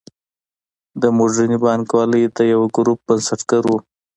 د موډرنې بانکوالۍ د یوه ګروپ بنسټګر و.